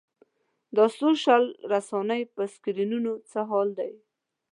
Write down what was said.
دا سوشل رسنیو په سکرینونو څه حال دی.